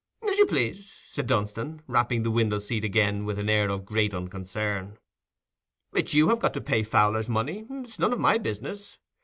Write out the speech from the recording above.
"As you please," said Dunstan, rapping the window seat again with an air of great unconcern. "It's you have got to pay Fowler's money; it's none of my business.